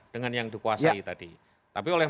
dengan yang dikuasai tadi tapi oleh